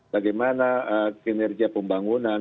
bagaimana kinerja pembangunan